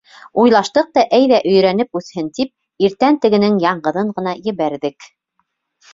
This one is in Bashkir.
Уйлаштыҡ та, әйҙә, өйрәнеп үҫһен тип, иртән тегенең яңғыҙын ғына ебәрҙек.